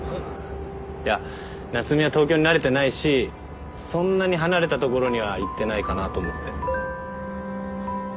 いや夏海は東京に慣れてないしそんなに離れた所には行ってないかなと思って。